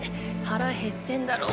腹減ってんだろ？